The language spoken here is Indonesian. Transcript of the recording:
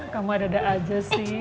kamu ada aja sih